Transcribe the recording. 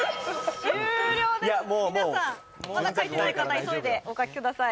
終了です皆さんまだ書いてない方急いでお書きください